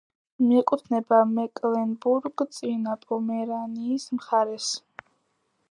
მიეკუთვნება მეკლენბურგ-წინა პომერანიის მხარეს.